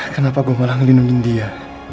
kenapa gua malah ngelindungin dia